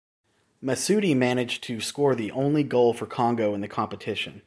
Masudi managed to score the only goal for Congo in the competition.